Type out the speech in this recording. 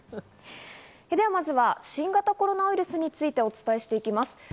では新型コロナウイルスについて、お伝えします。